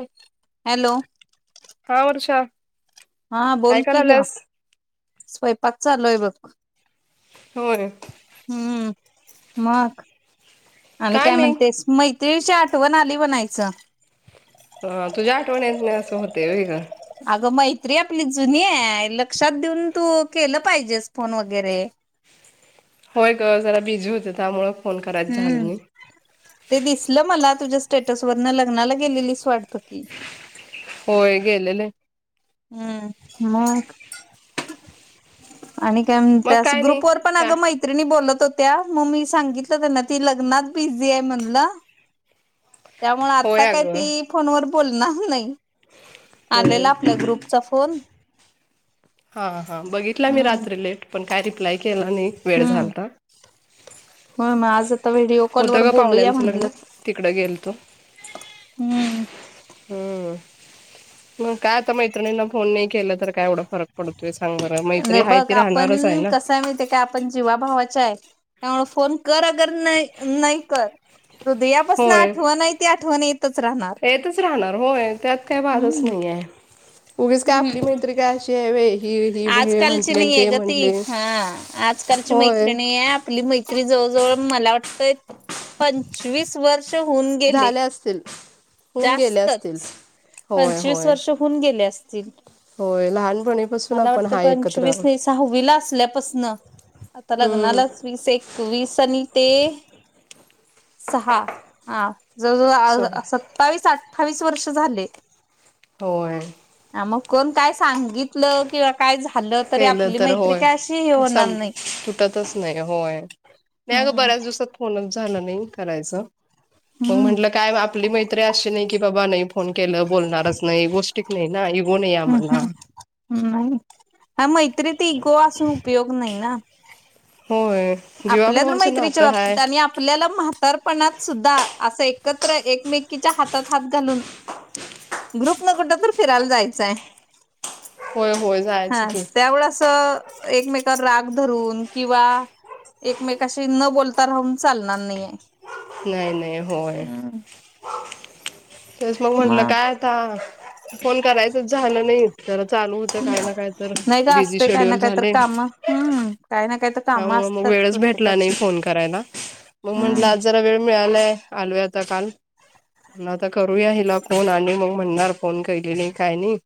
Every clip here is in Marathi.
ह हॅलो हा वर्षा हा काय बोल की ग, करायल्यास? स्वयंपाक चालूय बघ. होय हम्म, मग आणि काय म्हणतेस? मैत्रीणीची आठवण आली म्हनायचं. ह तुझ्या आठवणीत येत नाही, असं होते होय गं. अगं मैत्री आपली जुनी आहे, लक्षात देऊन तू केलं पाहिजेस फोन वगैरे. होय ग, जरा बिझी होते त्यामुळं फोन करायच झाल हम्म नाही. ते दिसलं मला तुझ्या स्टेटस वरनं, लग्नाला गेलेलीस वाटतं की, होय गेलेले. हम्म मग? आणि काय मग म्हणतीयास? काय नाही ग्रुप वर पण का अगं मै त्रिणी बोलत होत्या, मग मी सांगितलं त्यांना ती लग्नात बिझी आहे म्हणलं. त्यामुळे होय आता काही अगं ती फोनवर बोलणार नाही होय. आलेला आपल्या ग्रुप चा फोन हा हा बघितला मी हम्म रात्री लेट, पण काय रिप्लाय केला नाही वेळ झालता. हो मग आज आता व्हिडिओ कॉल वर होतं ग बोलूया पाहुण्यांचं म्हणलं. लग्न तिकडं गेलतो. हम्म हम्म मग काय आता मैत्रिणींना फोन नाही केलं तर काय एवढं फरक पडतोय सांग बरं मैत्री हाय ती राहणारच आहे ना. का आपण जीवाभवाच्या आहे त्यामुळे फोन कर अगर नाही नाही कर. हृदयापासून होय आठवण आहे ते आठवण येतच राहणार. हितच रहाणार होय त्यात काय वादाच हम्म नाये. हम्म जेवे हि हि आजकालची म्हटले नाही आहे ते ग ती म्हंटले हा होय. तरी जवळ जवळ मला वाटतय पंचवीस वर्ष असं हून. झाले असतील. होऊन गेल्या असतील. जास्तच होय पंचवीस होय वर्ष होऊन गेले असतील. होय लहानपणी मला वाटतं पंचवीस तीस सहावीला असल्यापसन आता हम्म लग्नालाच. एकवीस एकवीस आणि ते सहा हा जवळ स जवळ सत्तावीस अठ्ठावीस वर्ष झाले. होय ह मग कोण काय सांगितलं किंवा काय झा केलं तर होय सं नाही. तुटतच नाही होय. नाही ग हम्म बऱ्याच दिसत. फनच झालं नाही करायचं मग हम्म म्हंटलं काय आपली मैत्री अशी नाही की बाबा नाही. फोन केल्याव बोलणारच नाही गोष्टीत नाही ना इग. ह् ह् मग मैत्रीत इगो असून उपयोग नाही ना. होय आपल्या तर जीवाभावाचं मैत्रीच्या नातं हाय बाबतीत आणि आपल्याला म तर पणात सुद्धा असं एकत्र एकमेकीच्या हातात हात घालून. ग्रुप न कुठ तर फिरायला जायचंय. होय होय हा जायचं की त्यामुळेळे अस एकमेकावर राग धरून किंवा एकमेकाशी न बोलता राहून चालणार नाहीय. नाही नाही होय. तेस मग म्हंटलं काय आता फोन करायचच झालं नाही. तर चालू होतं काय ना काय तर नाही का बिझी असते काय ना शेड्युल काय तर झाले. काम हम्म काय ना काय तर काम आओ असतात वेळच भेटला नाही प्रत्येकाची फोन करायला मग हम्म म्हंटलंआज. जरा वेळ मिळालाय आलोय आता काल म्हणलं आता करूया हिला फोन आणि मग म्हणणार फोन केले नाही काय नाही.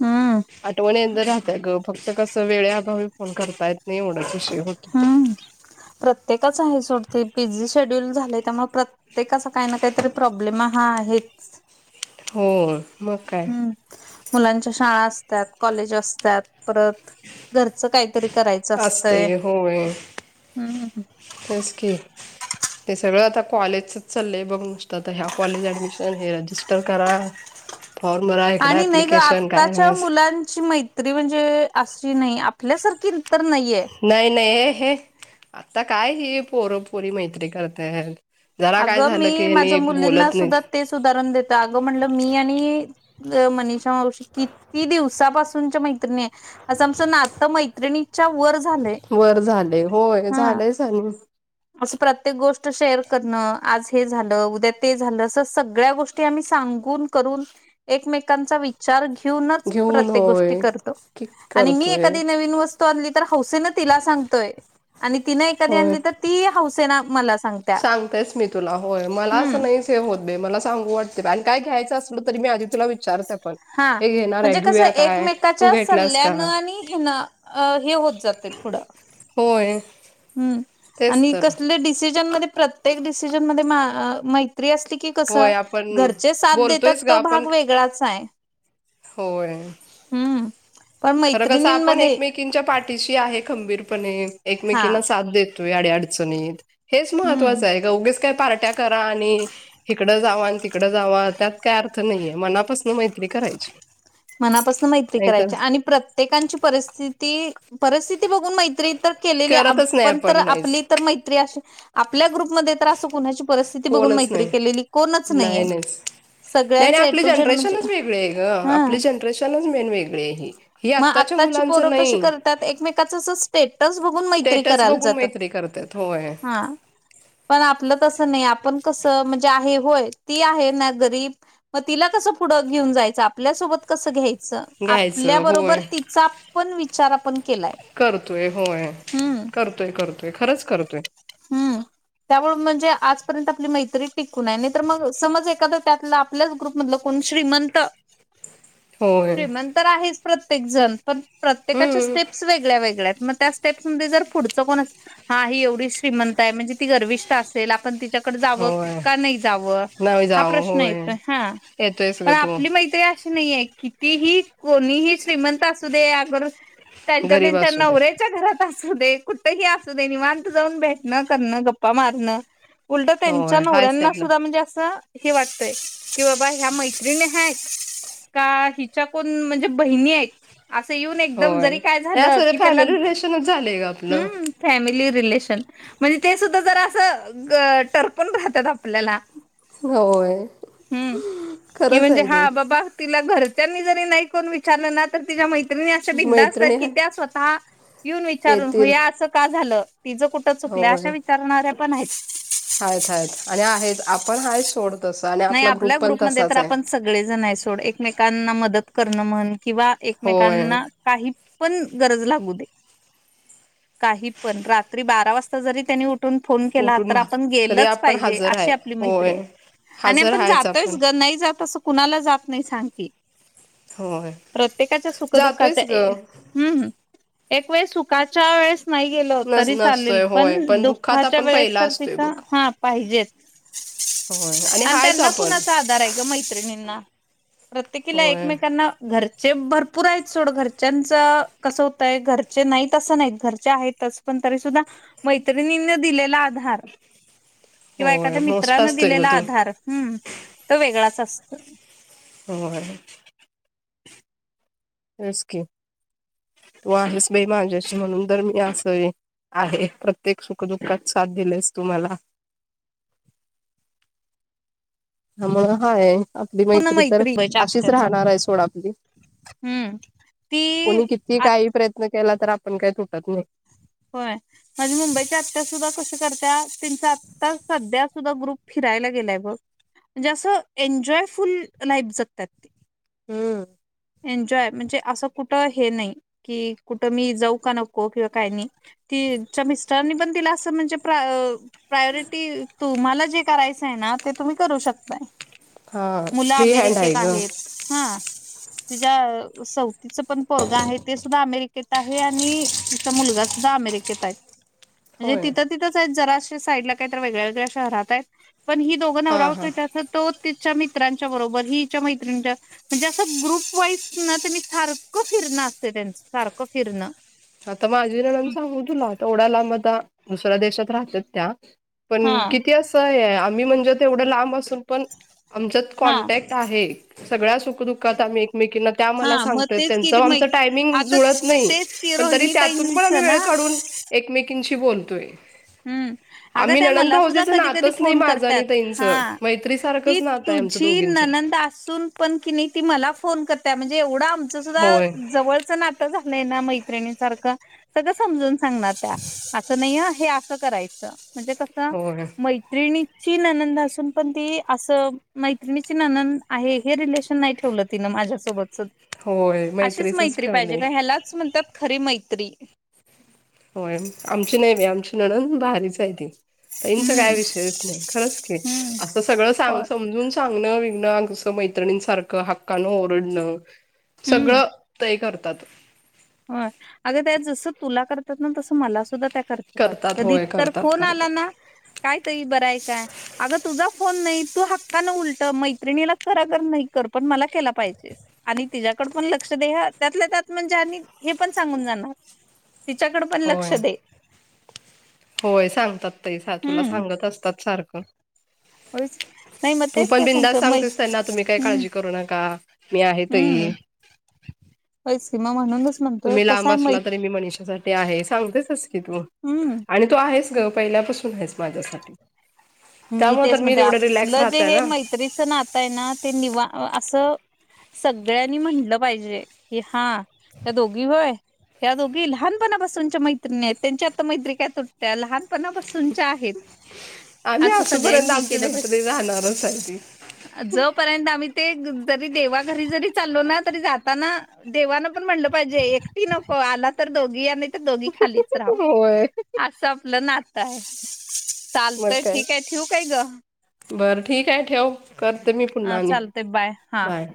हम्म आठवणी यंद राहतय ग फक्त कस वेळे अभावी फोन करतायेत नाही एवढ. हम्म प्रत्येकाच आहे सोडते पीझी शेड्यूल झालेय त्यामुळे प्र्ये ते कसं काही ना काहीतरी प्रॉब्लेम हा आहे. हो मग काय? मुलांच्या शाळा असतात कॉलेज असतात. परत घरचं काहीतरी करायचं असतय असतंय हम्. खरंच की? ते सगळं आता कॉलेजचच चाललंय बघ नुसतं आ तर ह्या कॉलेज ऍडमिशन हे रजिस्टर करा. फॉर्मर आहे. आणि नाही ग आत्ताच्या मुलांची मै तरी म्हणजे असली नाही आपल्यासारखी तर नाहीये. नाही नाही हे आता काय हे पोरपोरी मैत्री करता आहेत. अगं मी माझ्या मुलींना सुद्धा नाहीत तेच उदाहरण देत अगं म्हणलं मी आणि अ मनीषा मवशी किती दिवसापासूनच्या मैत्रिणी. असं आमचं नात मैत्रिणीच्या वर झालंय वर झालेय होय हा झालंय चालू. असं प्रत्येक गोष्ट शेअर करणं आज हे झालं उद्या ते झालं असं सगळ्या गोष्टी आम्ही सांगून करून एकमेकांचा विच चार घेऊनच घेऊन प्रत्येक गोष्टी होय करतो किक आणि मी करतोय एखादी नवीन वस्तू त्यानं आणली तर हौसेन तिला सांगतोय आणि तिनं एखादी आणली तर ती हौसेन मला सांग सांगतोयच मी तुला होय मला असं नाही ते होत मला सांगू वाटते आणि काय घ्यायचं असल तरी मी आधी तुला विचारते बग. हा म्हणजे कसं एकमेकाच्या घेतलास का सल्ल्यानं आणि हिण अ हे होत जातेय पुढ‌. होय ह् तेच आणि तर कसले डिसिजन मध्ये प्रत्येक डिसिजन मध्ये मैत्री असली की कस होय आपण घरचे साथ बोलतोयच देतात ग तो आपण भाग वेगळाच आहे. होय हम्म पण मैत्रिणींमध्ये एकमेकिंच्या पाठीशी आहे खंबीरपणे हा एकमेकीना साथ देतोय अडी अडचणीत हेच हम्म. महत्त्वाचं आहे ग उगीच काय पार्ट्या करा आणि हिकडं जावा आणि तिकडं जावा त्यात काय अर्थ नाहीये मनापासन मैत्री करायची. मनापासून मैत्री नाहीतर करायची आणि प्रत्येकची परिस्थिती परिस्थिती बघून मैत्री केलेली करतच नाही आपण नाहीच आपली तर मैत्री आपल्या ग्रुपमध्ये तर असं कोणाचं परिस्थिती बघून कोणच नाही मैत्री केलेली कोणच नाहीये नाही नाहीच नाही सगळ्यांच नाही ए आपली टु झेड म्हणजे हा खरंच लय वेगळीय. हि मग आत्ताच्या आत्ताची मुलांचं पोरं कशी नाही करतात एकमेकाच असं स्टेटस बघून मैत्री स्टेटस करायला बघून जातात मैत्री करतात. होय हा पण आपलं तसं नाही आपण कसं म्हणजे आहे होय ती आहे ना गरीब मग तिला कस पुढं घेऊन जायचं आपल्यासोबत कसं घ्यायचं घ्यायचं आपल्याबरोबर होय तिचा पण विचार आपण करतोय होय हम्म करतोय करतोय खरंच करतोय. हम्म त्यामुळे म्हणजे आजपर्यंत आपली मैत्री टिकून आहे नाही तर मग समज एखाद्या त्यातला आपल्याच ग्रुपमधलं कोण श्रीमंत होय श्रीमंत तर आहेच प्रत्येक जण पण प्रत्येकाच्या हम्म स्टेप्स वेगळ्या वेगळ्या आहेत मग त्या तेच म्हणतोय पुढचं कोण असतं हा ही एवढी श्रीमंत आहे म्हणजे ती गर्विष्ट असेल आपण ति हिच्याकडं जावं होय का नाही जावं हा प्रश्न येतोय हा. येतोयंच ग तो‌ नाही आहे कितीही कोणीही श्रीमंत असू दे अगर त्यांच्या गरीब त्यांच्या असू दे नवऱ्याच्या घरात असू दे कुठही असू दे निवांत जाऊन भेटणं, करणं, गप्पा मारणं. उलटं त्यांच्या होय हायच ते नवऱ्यांना आपलं सुद्धा म्हणजे असं हे वाटतंय कि बाबा ह्या मैत्रिणी आहेत का हिच्या कोण म्हणजे बहिणी आहेत. असं येऊन एकदम होय जरी काय हे झालं असं की त्याला फॅमिली रिलेशनच झालंय ग आपलं हूं. फॅमिली रिलेशन म्हणजे ते सुद्धा जरा असं ग टरकून राहतात आपल्याला‌ होय की खरंच म्हणजे आहे ते. हा बाबा तिला घरच्यांनी जरी नाही कोण विचारलं ना तर तिच्या मैत्रिणी तर मी अशा बिनधास्त आहेत की मैत्रिणी त्या स्वतः येऊन विचारतात हो येतील या अस का झालं तिचं कु कुठं चुकल अशा होय विचारणाऱ्या पण आहेत. आहेत आहेत आणि आहेत आपण हायच सोड तसं आणि नाही आपला आपल्या ग्रुप पण ग्रुपमध्ये तर तसाच आहे. आपण सोड एकमेकांना मदत करण म्हण किंवा होय एकमेकांना काही पण गरज लागू दे काही पण रात्री बारा वाजता जरी त्यांनी उठ उठून फोन केला तर उठून आपण तरी गेलचं आपण पाहिजे हजर अशी आहे आपली मैत्री आहे. होय आणि हजर आपण आहेच जातोयच ग, नाही जात असं कुणाला जात नाही सांग की? होय प्रत्येकांच्या सुख दुःखात जातोयच ए ग ह ह एक वेळेस सुखाच्या वेळेस नाही गेलो नस तरी चालेल, नसतोय पण होय दुःखात दुःखाच्या आपण वेळेस पहिला तर असतोय बघ तिथं हा पाहिजेच. होय, आणि हायच आपण. दार आहे गं मैत्रिणींना प्रत्येकीला होय एकमेकांना घर जे भरपूर आहेत सोड घरच्यांच कसं होतयं, घरचे नाहीत अस नाही घरचे आहेतचं. पण तरी सुद्धा मैत्रिणींनी दिलेला आधार किंवा होय एखाद्या मोस्ट मित्रानं असतोय दिलेला ग तू आधार हम्म तो वेगळाच असतोय. होय. होयच की, तू आहेस बाई माझ्याशी म्हणून जर मी असं ये. आहे प्रत्येक सुखदुःखात साथ दिलीस तु मला. ह म हाय. आपली पूर्ण मैत्री तर अशीच आत्याचा राहणार आहे सोड आपली हम्म ती कोणी कि किती काही प्रयत्न केला तर, आपण काही तुटत नाही. होय, माझी मुंबईची आत्या सुद्धा कशी करत्या त्यांच्या आ तर सध्या सुद्धा ग्रुप फिरायला गेलाय बघ. म्हणजे, असं एन्जॉयफुल लाईफ जगत्यात. हम एन्जॉय म्हणजे असं कुठं हे नाही, की कुठं मी जाऊ का नको किंवा काही नाही. तिच्या मिस्टरनी पण तिला असं म्हणजे प्रा- अं प्रायोरिटी तुम्हाला जे करायचं आहे ना, ते तुम्ही करू शकताय. हा मुलं फ्री हँड आहे अमेरिकेत ग. आहेत, हा तिच्या सौव तिचं पण पोरगं आहे ते सुद्धा अमेरिकेत आहे आणि तिचा मुलगा सुद्धा अमेरिकेत हाय. म्हणजे होय. तिथं तिथंच आहेत, जराश्या साईडला काही तर वेगळ्या वेगळ्या शहरात आहेत. पण ही दोघं नवरा हा बायको हा येतात तो तिच्या मित्रांच्या बरोबर ही हिच्या मैत्रीणी म्हणजे असं ग्रुप वाईस ना तेनी सारखं फिरणं असतय, त्यांचसारखं किरणं. आता माझी नणंद सांगू तुला तेवढ्या लांब आता दुसऱ्या देशात राहतात त्या हा पण किती असं आहे आम्ही म्हणजे, तेवढं लांब असून पण आमच्यात हा कॉन्टॅक्ट आहे सगळ्या सुख दुःखात आम्ही एकमेकींना त्या हा मला मग सांगतात, तेच कि त्यांच ती मै आमच टायमिंग आता जुळत नाही. तेच की पण तरी रोहिणी त्यातून पण, आम्ही ताईंचं ना वेळ काढून एकमेकींशी बोलतोय. हम्म. अगं आम्ही त्या ननंद मला सुद्धा भावजयचं कधी कधी नातचं नाही फोन माझं आणि करतात ताईचं हा मैत्री ती सारखंच नात तुझी नणंद असून पण किनई ती मला फोन करत्या म्हणजे, एवढं आमचं सुध्दा होय जवळ नात झालंय ना मैत्रिणी सारखं सगळं समजून सांगणार त्या, असं नाहीशी हा हे असं करायच म्हणजे क होय. त्रिणीकची ननंद असून पण ती असं मैत्रिणीची ननंद आहे हे रिलेशन नाही ठेवलं तिनं माझ्या सोबतच होय अशीच मैत्रीचच मैत्री पाहिजे ठेवलंय गं ह्यालाच म्हणतात खरी मैत्री. होय, आमची नाही बाई आमची नणंद भारीच ती ताईंचा हम्म काय विषयच नाही खरचं. हम्म [unintelligible] असं सगळं सांग होय. समजून सांगणं बिगंण जसं मैत्रिणींसारखं हक्कानं ओरडणं सगळं ताई करतात. ह अगं त्या जसं तुला करतात, ना तसं मला सुद्धा त्या करतात कधी होय तर करतात फोन आला करतात. ना, काय तरी बरं हाय काय? अगं तुझा फोन नाही, तू हक्कांन उलट मैत्रिणीला कर अगर नाही करा, पण मला केला पाहिजे. आणि तिच्याकडं पण लक्ष दे हं त्यातल्या त्यात म्हणजे, आणि हे पण सांगून जाणार तिच्याकडं पण लक्ष होय दे. होय सांगतात ताई तुला हम्म सांगत असतात सारखं. होयच की. नाही मग तू तेच पण काय बिनधास्त सांगतो मै सांगतेस त्यांना तुम्ही काही हम्म काळजी करू नका. मी आहे हम्म ताई होयच की मग म्हणूनच म्हणतोय तुम्ही कसं लांब आहे मै असला तरी मी मनिषासाठी आहे सांगतेचस की तू हम्म आणि तू आहेस गं पहिल्यापासून आहेच माझ्यासाठी त्यामुळे तेच तर मी म्हणते तेवढं रिलॅक्स आपलं जे राहताय हे ना. मैत्रीचं नातं आहे ना ते निवांत असं. सगळ्यांनी म्हटलं पाहिजे कि हा त्या दोघी होय. या दोघी लहानपणापासूनच्या मैत्रिणी आहेत त्यांच्या आता मैत्री काय तुटत्या लहानपणापासूनच्या आहेत. आम्ही असं सगळ्यांनी असूपर्यंत हे आमची केलं मैत्री राहणारच आहे की. जोपर्यंत आम्ही ते जरी देवा घरी जरी चालो ना तरी जाताना. देवानं पण म्हणलं पाहिजे एकटी नको आला तर दोघी या नाहीतर. त्या दोघी खालीच राहा होय असं आपलं नातं आहे मग चालतंय. काय ठीक आहे ठेवू काय गं. बरं ठीक आहे ठेव करते मी पुन्हा हा आणि चालतंय बाय हा बाय.